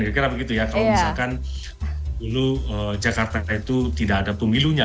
kira kira begitu ya kalau misalkan dulu jakarta itu tidak ada pemilunya